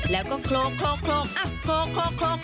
แล้วก็โครกโครก